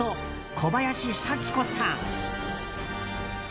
小林幸子さん。